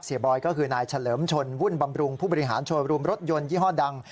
บอยก็คือนายเฉลิมชนวุ่นบำรุงผู้บริหารโชว์รูมรถยนต์ยี่ห้อดัง